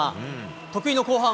得意の後半。